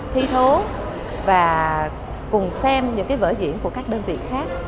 thi thố và cùng xem những cái vở diễn của các đơn vị khác